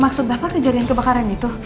maksud bapak kejadian kebakaran itu